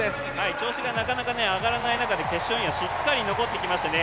調子がなかなか上がらない中で、決勝にはしっかり残ってきましたね。